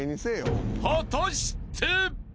［果たして？］